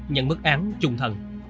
nhận mức án trùng thần